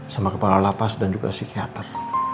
sama kepala lapas dan juga psikiater